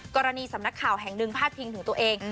กรณีสำนักข่าวแห่งหนึ่งพาดพิงถึงตัวเอง